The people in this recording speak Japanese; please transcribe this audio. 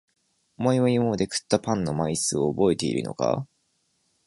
お前は今まで食ったパンの枚数を覚えているのか？